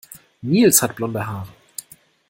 Nils hat blonde Haare.